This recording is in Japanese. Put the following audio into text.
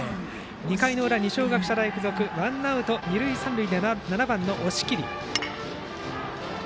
２回の裏、二松学舎大付属ワンアウト二塁三塁で７番の押切。